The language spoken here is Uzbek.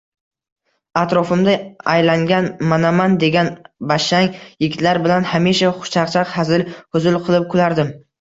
Atrofimda aylangan manaman degan bashang yigitlar bilan hamisha xushchaqchaq, hazil-huzul qilib kulardim